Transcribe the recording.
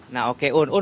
nah oke un